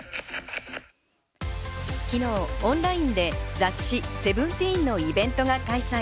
昨日、オンラインで雑誌『Ｓｅｖｅｎｔｅｅｎ』のイベントが開催。